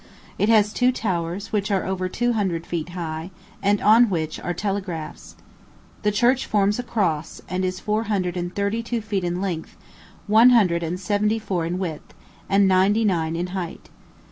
It has two towers, which are over two hundred feet high, and on which are telegraphs. The church forms a cross, and is four hundred and thirty two feet in length, one hundred and seventy four in width, and ninety nine in height.